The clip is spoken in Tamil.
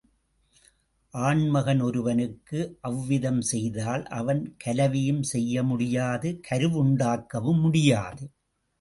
ஆண்மகன் ஒருவனுக்கு அவ்விதம் செய்தால் அவன் கலவியும் செய்யமுடியாது, கருவுண்டாக்கவும் முடியாது.